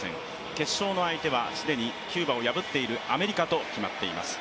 決勝の相手は既にキューバを破っているアメリカと決まっています。